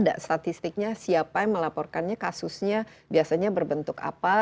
ada statistiknya siapa yang melaporkannya kasusnya biasanya berbentuk apa